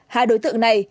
hai đối tượng này